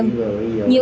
nhiều bệnh viện